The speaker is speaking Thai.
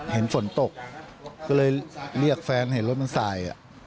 เห็นฝนตกก็เลยเรียกแฟนเห็นรถมันสาย